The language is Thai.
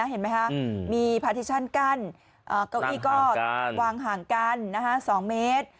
เห็นไหมคะมีพาทิชั่นกั้นเก้าอี้ก็วางห่างกัน๒เมตร